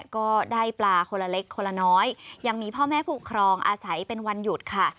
ก็ได้ปลาคนละเล็กคนละน้อยยังมีพ่อแม่ผู้ปกครองอาศัยเป็นวันหยุดค่ะ